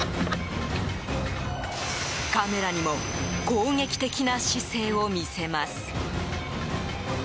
カメラにも攻撃的な姿勢を見せます。